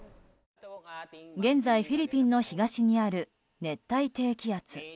現在、フィリピンの東にある熱帯低気圧。